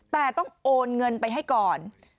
แต่ต้องโอนเงินไปให้ก่อน